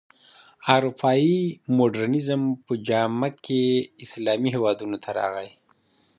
اروپايي مډرنیزم په جامه کې اسلامي هېوادونو ته راغی.